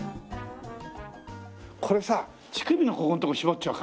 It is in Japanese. これさ乳首のここんとこ絞っちゃおうか。